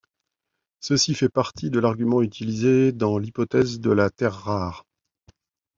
Ceci fait partie de l'argument utilisé dans l'hypothèse de la Terre rare.